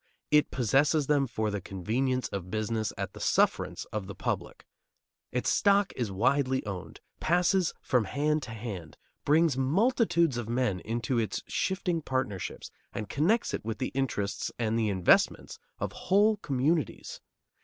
It possesses them for the convenience of business at the sufferance of the public. Its stock is widely owned, passes from hand to hand, brings multitudes of men into its shifting partnerships and connects it with the interests and the investments of whole communities.